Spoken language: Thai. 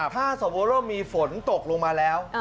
ถ้าสมมุติว่ามีฝนตกลงมาแล้ว